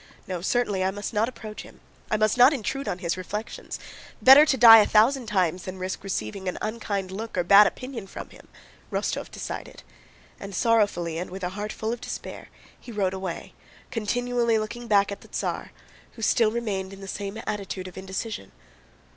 No, certainly I must not approach him, I must not intrude on his reflections. Better die a thousand times than risk receiving an unkind look or bad opinion from him," Rostóv decided; and sorrowfully and with a heart full despair he rode away, continually looking back at the Tsar, who still remained in the same attitude of indecision.